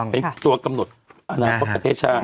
เป็นตัวกำหนดอนาคตประเทศชาติ